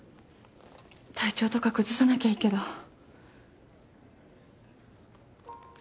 体調とか崩さなきゃいいけど。